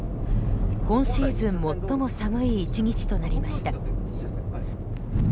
今シーズン最も寒い１日となりました。